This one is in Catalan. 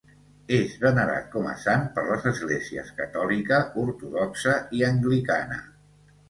És venerat com a sant per les esglésies catòlica ortodoxa i anglicana.